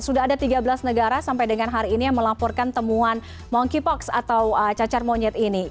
sudah ada tiga belas negara sampai dengan hari ini yang melaporkan temuan monkeypox atau cacar monyet ini